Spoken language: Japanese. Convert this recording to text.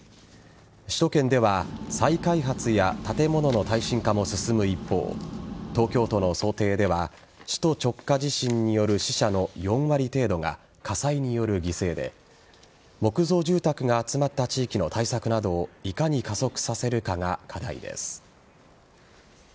首都圏では再開発や建物の耐震化も進む一方東京都の想定では首都直下地震による死者の４割程度が火災による犠牲で木造住宅が集まった地域の対策などをいかに加速させるかが課題です。